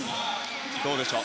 どうでしょう？